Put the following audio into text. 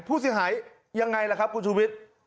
ผู้เสียหายยังไงล่ะครับคุณชูวิทย์